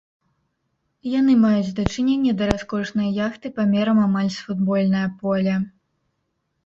Яны маюць дачыненне да раскошнай яхты памерам амаль з футбольнае поле.